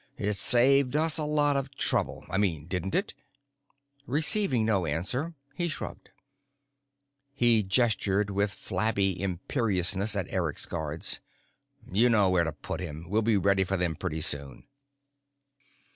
It saved us a lot of trouble, I mean, didn't it?" Receiving no answer, he shrugged. He gestured with flabby imperiousness at Eric's guards. "You know where to put him. We'll be ready for them pretty soon."